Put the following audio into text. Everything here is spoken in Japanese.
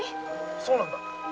そうなんだ。